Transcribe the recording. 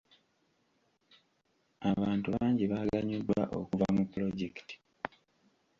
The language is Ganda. Abantu bangi baaganyuddwa okuva mu pulojekiti.